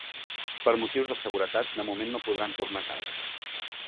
Per motius de seguretat, de moment no podran tornar a casa.